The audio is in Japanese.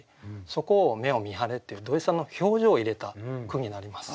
そこを「目を見張れ」っていう土井さんの表情を入れた句になります。